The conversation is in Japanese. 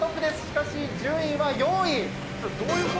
しかし順位は４位。